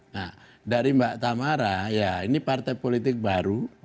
nah dari mbak tamara ya ini partai politik baru